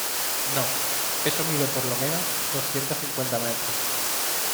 no. eso mide por lo menos doscientos cincuenta metros .